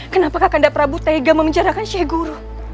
kenapa kakanda prabu tega memenjarakan syekh guru